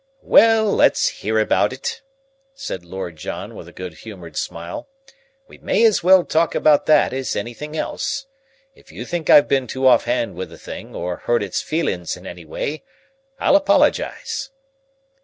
"Well, let's hear about it," said Lord John with a good humoured smile. "We may as well talk about that as anything else. If you think I've been too off hand with the thing, or hurt its feelin's in any way, I'll apologize."